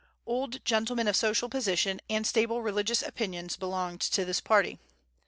Old gentlemen of social position and stable religious opinions belonged to this party.